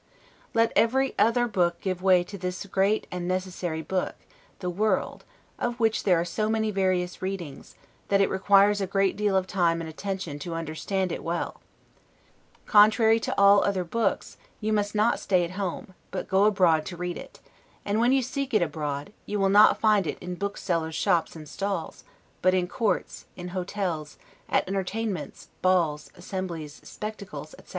Let every other book then give way to this great and necessary book, the world, of which there are so many various readings, that it requires a great deal of time and attention to under stand it well: contrary to all other books, you must not stay home, but go abroad to read it; and when you seek it abroad, you will not find it in booksellers' shops and stalls, but in courts, in hotels, at entertainments, balls, assemblies, spectacles, etc.